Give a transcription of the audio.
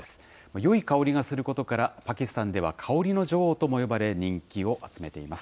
よい香りがすることから、パキスタンでは香りの女王とも呼ばれ、人気を集めています。